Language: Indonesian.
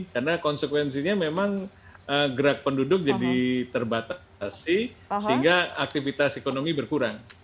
karena konsekuensinya memang gerak penduduk jadi terbatasi sehingga aktivitas ekonomi berkurang